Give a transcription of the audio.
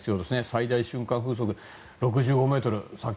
最大瞬間風速６５メートル。